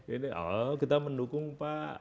ini oh kita mendukung pak